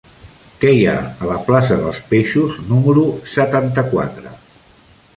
Què hi ha a la plaça dels Peixos número setanta-quatre?